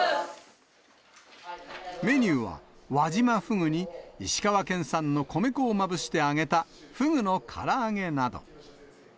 メニューは、輪島ふぐに石川県産の米粉をまぶして揚げたフグのから揚げなど。